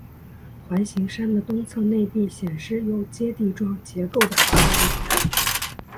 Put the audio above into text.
环形山的东侧内壁显示有阶地状结构的痕迹。